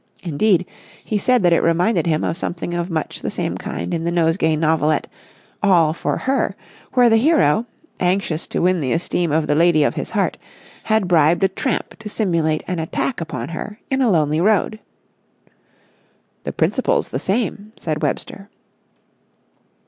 Indeed, he said that it reminded him of something of much the same kind in the Nosegay Novelette, "All for Her," where the hero, anxious to win the esteem of the lady of his heart, had bribed a tramp to simulate an attack upon her in a lonely road. "The principle's the same," said Webster.